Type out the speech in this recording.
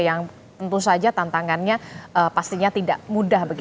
yang tentu saja tantangannya pastinya tidak mudah